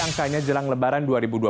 angkanya jelang lebaran dua ribu dua puluh